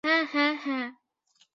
হ্যাঁ হ্যাঁ হ্যাঁ!